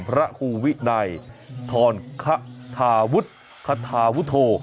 พระคู่วินัยทอนขาธาวุฒิขาธาวุฒโธ